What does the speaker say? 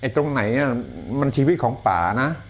ตรงไหนมันชีวิตของป่านะ